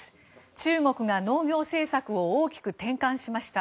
中国が農業政策を大きく転換しました。